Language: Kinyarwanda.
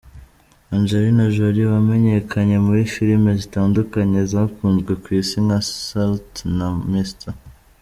Angelina Jolie wamenyekanye muri filime zitandukanye zakunzwe ku isi nka Salt na Mr.